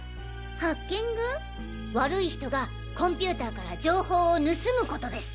悪い人がコンピューターから情報を盗むことです。